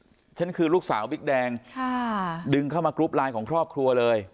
ฉันคือลูกสาวบิ๊กแดงค่ะดึงเข้ามากรุ๊ปไลน์ของครอบครัวเลย